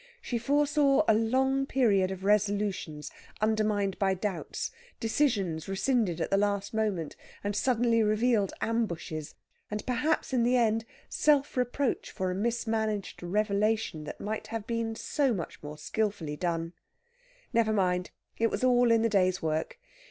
She foresaw a long period of resolutions undermined by doubts, decisions rescinded at the last moment, and suddenly revealed ambushes, and perhaps in the end self reproach for a mismanaged revelation that might have been so much more skilfully done. Never mind it was all in the day's work!